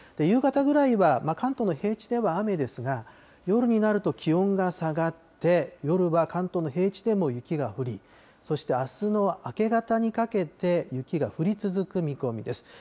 夕方ぐらいは、関東の平地では雨ですが、夜になると気温が下がって、夜は関東の平地でも雪が降り、そしてあすの明け方にかけて雪が降り続く見込みです。